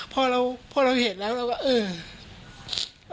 พอเราเห็นแล้วเราก็เอ่ย